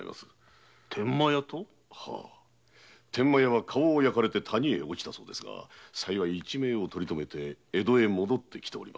天満屋は顔を焼かれて谷に落ちたそうですが幸い一命を取り留めて江戸へ戻ってきております。